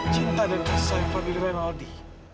cinta dan kesayangan fadil rinaldi